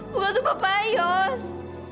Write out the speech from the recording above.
bukan itu papa yos